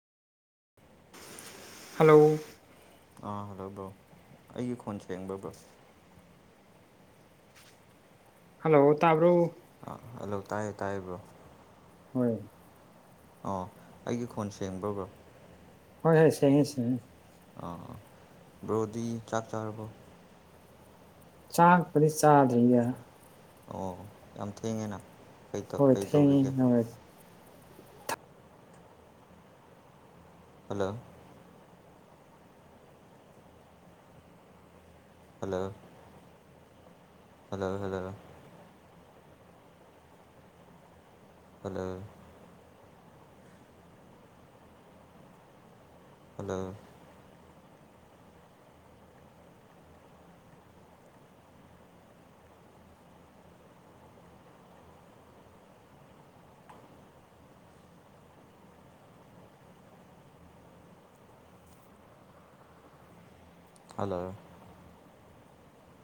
hello ꯑꯥ hello bro ꯑꯩꯒꯤ ꯈꯣꯟ ꯁꯡꯕ꯭ꯔ ꯕ꯭ꯔꯣ ꯍꯜꯂꯣ ꯇꯕ꯭ꯔꯣ ꯑ ꯍꯜꯂꯣ ꯇꯥꯏꯌꯦ ꯇꯥꯏꯕ꯭ꯔꯣ ꯍꯣꯏ ꯑꯣ ꯑꯩꯒꯤ ꯈꯣꯟ ꯁꯦꯡꯕ꯭ꯔꯕ꯭ꯔꯣ ꯍꯣꯏ ꯍꯣꯏ ꯁꯉ ꯁꯉ ꯑꯥ ꯕ꯭ꯔꯣꯗꯤ ꯆꯥꯛ ꯆꯥꯔꯕꯣ ꯆꯥ ꯄꯗꯤ ꯆꯥꯦ ꯑꯣ ꯌꯥꯝ ꯊꯦꯡꯉꯦꯅ ꯀꯩ ꯇꯧ- ꯍꯣꯏ ꯀꯩ ꯇꯧꯔꯤꯒꯦ ꯍ ꯍ hello hello hello hello hello hello hello